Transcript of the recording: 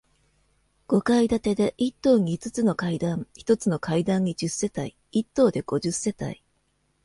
五階建てで、一棟に五つの階段、一つの階段に十世帯、一棟で五十世帯。